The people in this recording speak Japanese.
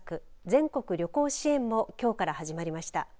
全国旅行支援もきょうから始まりました。